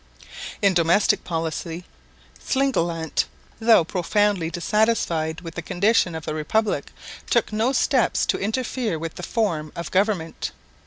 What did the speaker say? In domestic policy Slingelandt, though profoundly dissatisfied with the condition of the Republic, took no steps to interfere with the form of government.